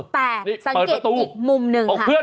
แต่สังเกตอีกมุมหนึ่งค่ะ